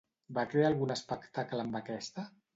Va crear algun espectacle amb aquesta?